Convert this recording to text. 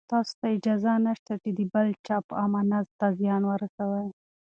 تاسو ته اجازه نشته چې د بل چا امانت ته زیان ورسوئ.